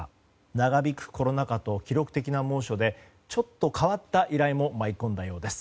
長引くコロナ禍と記録的な猛暑でちょっと変わった依頼も舞い込んだようです。